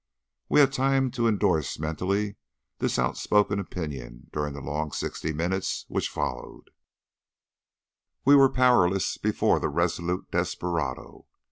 We had time to endorse mentally this outspoken opinion during the long sixty minutes which followed; we were powerless before the resolute desperado.